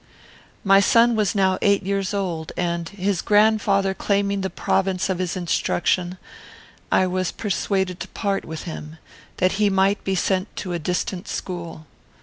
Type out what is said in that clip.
"My son was now eight years old, and, his grandfather claiming the province of his instruction, I was persuaded to part with him, that he might be sent to a distant school.